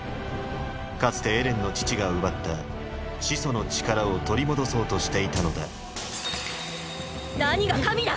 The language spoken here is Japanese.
かつてエレンの父が奪った「始祖の力」を取り戻そうとしていたのだ何が神だ！！